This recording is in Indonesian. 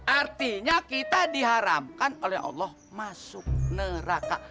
artinya kita diharamkan oleh allah masuk neraka